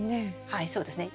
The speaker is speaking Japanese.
はいそうですね。